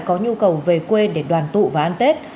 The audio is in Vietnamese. có nhu cầu về quê để đoàn tụ và ăn tết